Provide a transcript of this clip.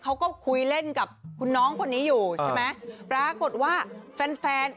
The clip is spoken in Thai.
เขาก็คุยเล่นกับคุณน้องคนนี้อยู่ใช่ไหมปรากฏว่าแฟนแฟน